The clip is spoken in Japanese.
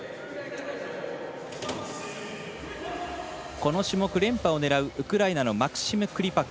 この種目、連覇を狙うウクライナのマクシム・クリパク。